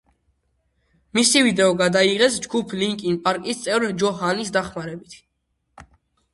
მისი ვიდეო გადაიღეს ჯგუფ ლინკინ პარკის წევრ ჯო ჰანის დახმარებით.